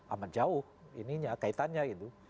amat jauh kaitannya